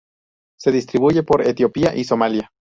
Se distribuye por Etiopía y Somalia.